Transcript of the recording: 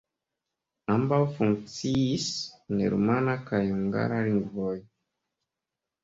Ambaŭ funkciis en rumana kaj hungara lingvoj.